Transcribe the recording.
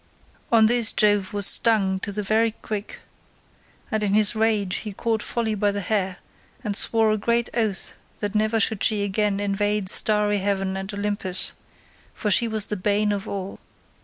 "On this Jove was stung to the very quick, and in his rage he caught Folly by the hair, and swore a great oath that never should she again invade starry heaven and Olympus, for she was the bane of all.